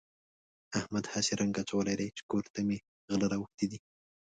احمد هسې رنګ اچولی دی چې کور ته مې غله راوښتي دي.